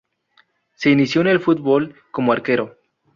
Se inició en el fútbol como arquero.